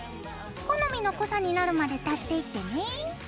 好みの濃さになるまで足していってね。